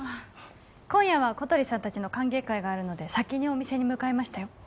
今夜は小鳥さん達の歓迎会があるので先にお店に向かいましたよ